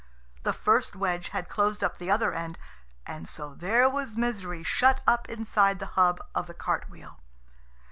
The first wedge had closed up the other end, and so there was Misery shut up inside the hub of the cart wheel.